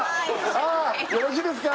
ああよろしいですか？